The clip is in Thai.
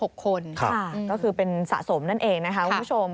ก็คือเป็นสะสมนั่นเองนะคะคุณผู้ชม